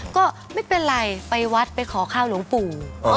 ก็ไม่เป็นไรไปวัดไปขอข้าวหลวงปู่